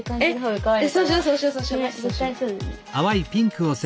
かわいい。